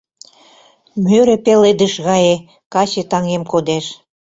Мӧрӧ пеледыш гае каче-таҥем кодеш.